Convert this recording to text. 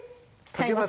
かけます？